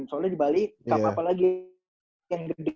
soalnya di bali kapan kapan lagi yang gede